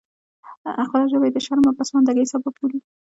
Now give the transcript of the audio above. خپله ژبه یې د شرم او پسماندګۍ سبب بولي.